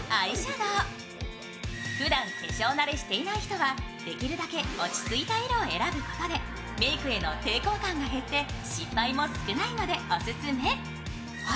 ふだん、化粧慣れしていない人はできるだけ落ち着いた色を選ぶことでメイクへの抵抗感が減って失敗も少ないのでオススメ。